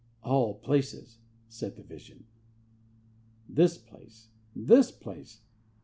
'All places!' said the Vision. 'This place! this place!